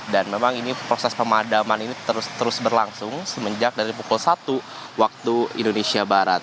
dan memang ini proses pemadaman ini terus terus berlangsung semenjak dari pukul satu waktu indonesia barat